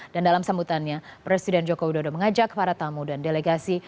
dan dalam sambutannya presiden joko widodo mengajak para tamu dan delegasi